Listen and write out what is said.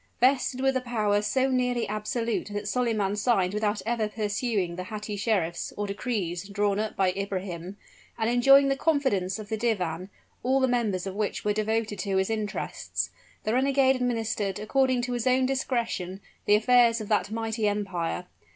Vested with a power so nearly absolute that Solyman signed without ever perusing the hatti sheriffs, or decrees, drawn up by Ibrahim, and enjoying the confidence of the divan, all the members of which were devoted to his interests, the renegade administered according to his own discretion, the affairs of that mighty empire.